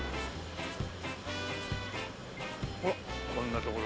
おっこんな所。